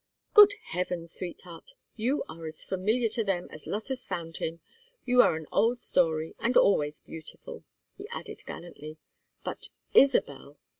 "Good heavens, sweetheart, you are as familiar to them as Lotta's fountain. You are an old story and always beautiful," he added, gallantly. "But Isabel!